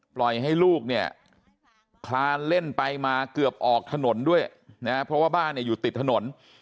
ปล่อยให้ลูกเนี่ยคลานเล่นไปมาเกือบออกถนนด้วยนะเพราะว่าบ้านเนี่ยอยู่ติดถนน